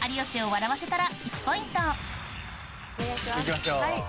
行きましょう。